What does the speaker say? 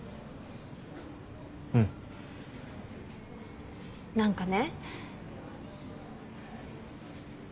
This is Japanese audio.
うん。何かね。